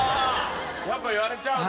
やっぱ言われちゃうんだ。